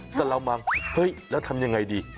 สารมังเฮ้ยแล้วทำยังไงดี